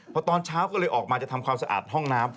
พอตอนเช้าก็เลยออกมาจะทำความสะอาดห้องน้ำ